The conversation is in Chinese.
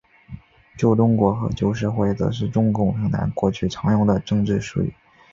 旧中国和旧社会则是中国共产党过去常用的政治术语。